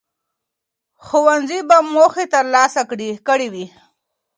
ښوونځي به موخې ترلاسه کړي وي.